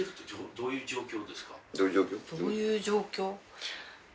どういう状況？